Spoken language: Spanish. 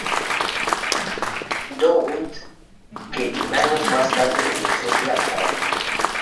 Downing que años más tarde renunciaría a la banda.